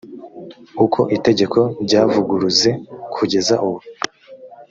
uko itegeko ryavuguruze kugeza ubu